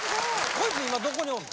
こいつ今どこにおるの？